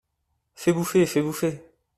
Fais bouffer ! fais bouffer !…